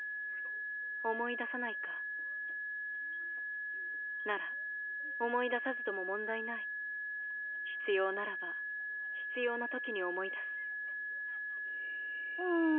思い出さないかなら思い出さずとも問題ない必要ならば必要なときに思い出すうん